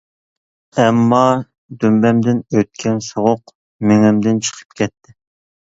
ئەمما، دۈمبەمدىن ئۆتكەن سوغۇق مېڭەمدىن چىقىپ كەتتى.